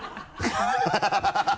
ハハハ